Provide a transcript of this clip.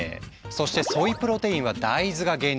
そしてソイプロテインは大豆が原料。